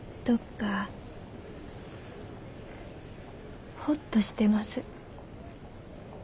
どっかほっとしてます。